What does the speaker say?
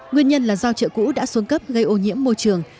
nguyên nhân là do chợ cũ đã xuống cấp gây ô nhiễm môi trường